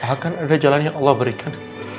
akan ada jalan yang allah berikan